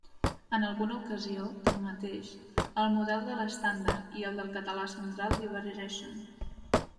En alguna ocasió, tanmateix, el model de l'estàndard i el del català central divergeixen.